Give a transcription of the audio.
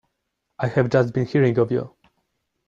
I have just been hearing of you.